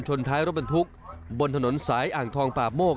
ท้ายรถบรรทุกบนถนนสายอ่างทองป่าโมก